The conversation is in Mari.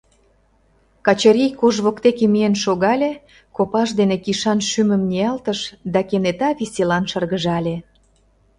Качырий кож воктеке миен шогале, копаж дене кишан шӱмым ниялтыш да кенета веселан шыргыжале.